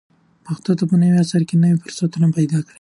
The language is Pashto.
پښتو ته په نوي عصر کې نوي فرصتونه پیدا کړئ.